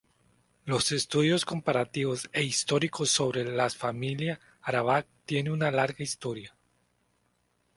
Los estudios comparativos e históricos sobre las familia arawak tienen una larga historia.